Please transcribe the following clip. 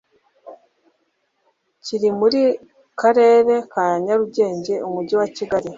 kiri mu karere ka nyarugenge umujyi wa kigali